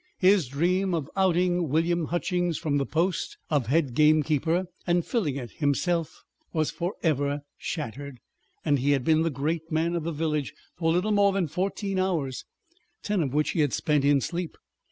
His dream of outing William Hutchings from the post of head gamekeeper and filling it himself was for ever shattered, and he had been the great man of the village for little more than fourteen hours, ten of which he had spent in sleep.